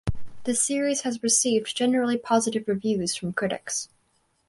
The series has received generally positive reviews from critics.